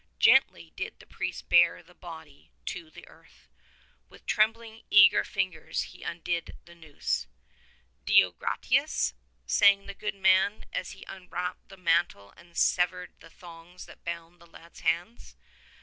Gently did the priest bear the body to the earth. With trembling eager fingers he undid the noose. ^'Deo gratiasr sang the good man as he unwrapped the mantle and severed the thongs that bound the lad's hands.